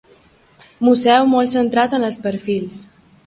Museu molt centrat en els perfils.